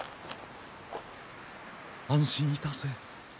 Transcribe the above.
安心いたせ。